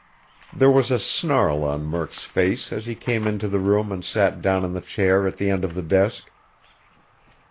There was a snarl on Murk's face as he came into the room and sat down in the chair at the end of the desk.